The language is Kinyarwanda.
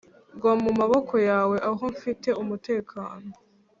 gwa mu maboko yawe aho nfite umutekano